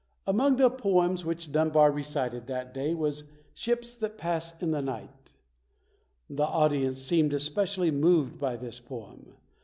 Among the poems which Dunbar recited that day was "Ships that Pass in the Night". The audience seemed especially moved by this poem.